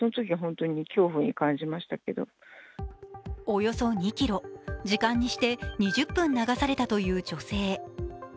およそ２ｋｍ、時間にして２０分流されたという女性。